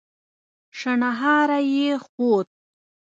شڼهاری يې خوت.